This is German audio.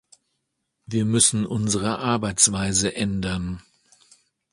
Wir müssen unsere Arbeitsweise ändern.